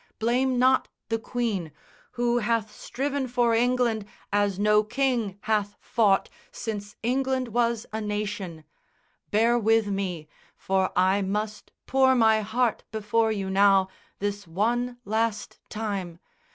Blame not the Queen, Who hath striven for England as no king hath fought Since England was a nation. Bear with me, For I must pour my heart before you now This one last time.